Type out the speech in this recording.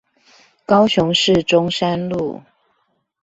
高雄市中山路